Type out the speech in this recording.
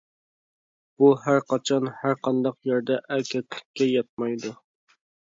بۇ ھەر قاچان، ھەر قانداق يەردە ئەركەكلىككە ياتمايدۇ.